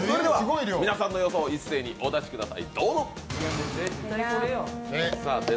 皆さんの予想一斉にお出しください。